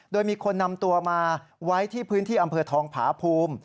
โดยมีคนนำตัวมาไว้ที่พื้นที่อำเภอทองผาภูมิ